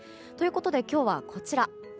ということで今日はこちら。